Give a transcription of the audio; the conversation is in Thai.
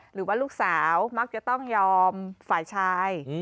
หรือว่าลูกสาวมักจะต้องยอมฝ่ายชาย